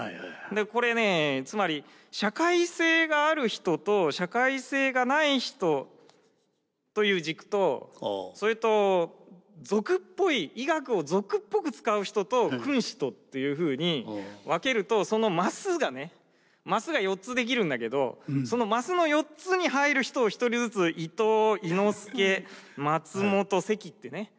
これねつまり社会性がある人と社会性がない人という軸とそれと医学を俗っぽく使う人と君子とっていうふうに分けるとそのマスがねマスが４つできるんだけどそのマスの４つに入る人を１人ずつ伊東伊之助松本関ってね